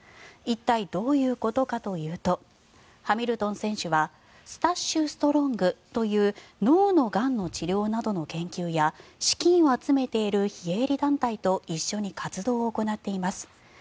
一体、どういうことかというとハミルトン選手はスタッシュストロングという脳のがんの治療などの研究や資金を集めている非営利団体と一緒に活動を行っています。